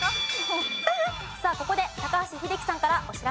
さあここで高橋英樹さんからお知らせです。